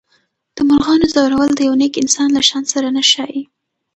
د مرغانو ځورول د یو نېک انسان له شان سره نه ښایي.